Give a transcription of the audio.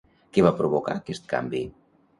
Què va provocar aquest canvi?